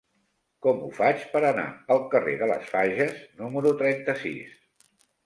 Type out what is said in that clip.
Com ho faig per anar al carrer de les Fages número trenta-sis?